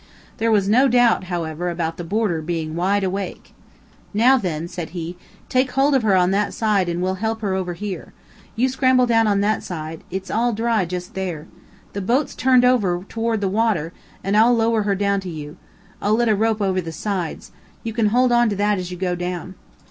There was no doubt, however, about the boarder being wide awake. "Now then," said he, "take hold of her on that side and we'll help her over here. You scramble down on that side; it's all dry just there. The boat's turned over toward the water, and I'll lower her down to you. I'll let a rope over the sides. You can hold on to that as you go down."